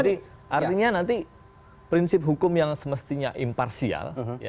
jadi artinya nanti prinsip hukum yang semestinya imparsial ya